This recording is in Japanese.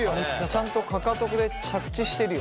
ちゃんとかかとで着地してるよ。